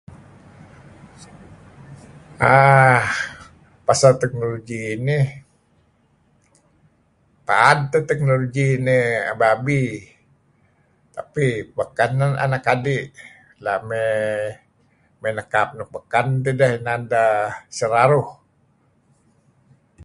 err pasel technology inih paad teh technology inih abi-abi, tapi beken neh anak adi', la' mey nekap nuk beken tideh inan neh seraruh.